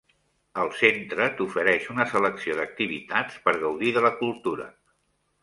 El centre t'ofereix una selecció d'activitats per gaudir de la cultura.